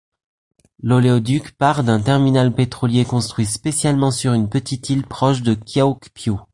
L'oléoduc part d'un terminal pétrolier construit spécialement sur une petite île proche de Kyaukpyu.